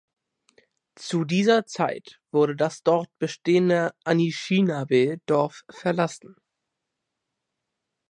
Zu dieser Zeit wurde das dort bestehende Anishinabe-Dorf verlassen.